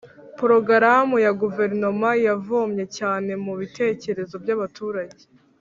Porogaramu ya Guverinoma yavomye cyane mu bitekerezo by’abaturage